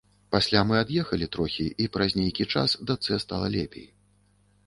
Пасля мы ад'ехалі трохі, і праз нейкі час дачцэ стала лепей.